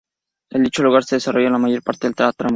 En dicho lugar se desarrolla la mayor parte de la trama.